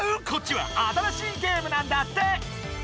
こっちは新しいゲームなんだって。